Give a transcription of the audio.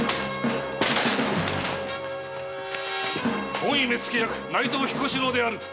公儀目付役内藤彦四郎である！